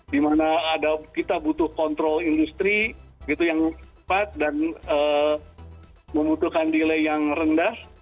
dimana kita butuh kontrol industri yang cepat dan membutuhkan delay yang rendah